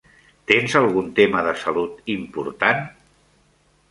Tens algun tema de salut important?